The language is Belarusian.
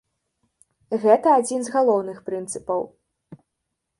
Гэта адзін з галоўных прынцыпаў.